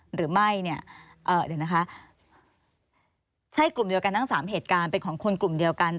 หรือไม่ใช่กลุ่มเดียวกันทั้ง๓เหตุการณ์เป็นของคนกลุ่มเดียวกัน